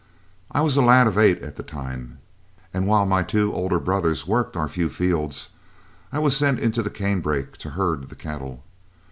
I was a lad of eight at the time, and while my two older brothers worked our few fields, I was sent into the canebrake to herd the cattle.